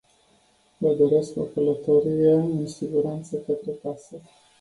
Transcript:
Vă doresc o călătorie în siguranță către casă.